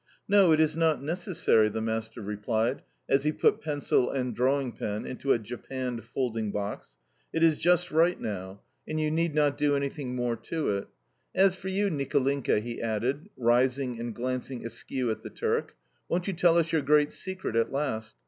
"No, it is not necessary," the master replied as he put pencil and drawing pen into a japanned folding box. "It is just right now, and you need not do anything more to it. As for you, Nicolinka," he added, rising and glancing askew at the Turk, "won't you tell us your great secret at last?